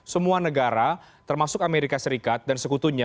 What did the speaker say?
semua negara termasuk amerika serikat dan sekutunya